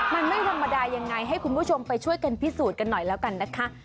มันไม่ธรรมดายังไงให้คุณผู้ชมไปช่วยกันพิสูจน์กันหน่อยแล้วกันนะคะ